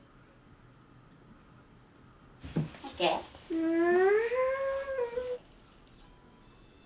うん。